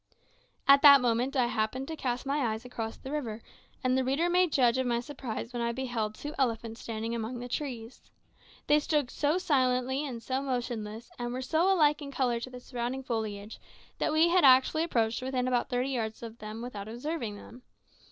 At that moment I happened to cast my eyes across the river, and the reader may judge of my surprise when I beheld two elephants standing among the trees. They stood so silently and so motionless, and were so like in colour to the surrounding foliage, that we had actually approached to within about thirty yards without observing them.